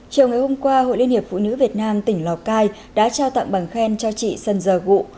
chiều ngày hôm qua hội liên hiệp phụ nữ việt nam tỉnh lào cai đã trao tặng bằng khen cho chị sân giờ vụ